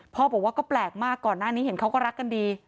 บอกว่าก็แปลกมากก่อนหน้านี้เห็นเขาก็รักกันดี